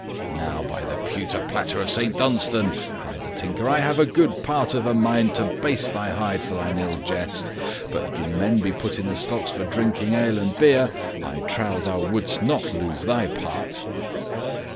"Now by the pewter platter of Saint Dunstan," cried the Tinker, "I have a good part of a mind to baste thy hide for thine ill jest. But gin men be put in the stocks for drinking ale and beer, I trow thou wouldst not lose thy part."